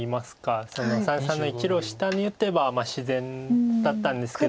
その三々の１路下に打てば自然だったんですけど。